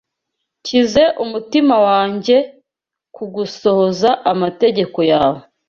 Nshyize umutima wanjye ku gusohoza amategeko yawe